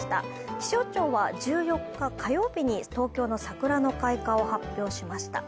気象庁は１４日火曜日に東京の桜の開花を発表しました。